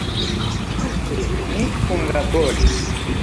Poste ni kunlaboris.